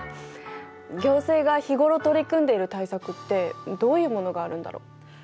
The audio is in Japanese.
行政が日頃取り組んでいる対策ってどういうものがあるんだろう。